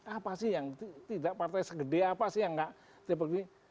apa sih yang tidak partai segede apa sih yang gak